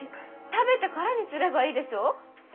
食べてからにすればいいでしょ？